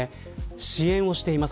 支援をしています。